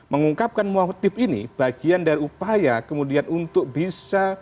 mengungkapkan motif ini bagian dari upaya kemudian untuk bisa